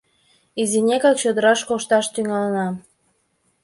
Изинекак чодыраш кошташ тӱҥалынам.